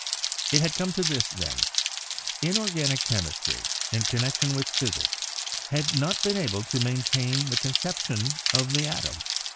"It had come to this, then: Inorganic chemistry, in connection with physics, had not been able to maintain the conception of the atom."